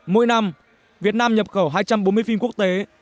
mỗi năm việt nam nhập khẩu hai trăm bốn mươi phim quốc tế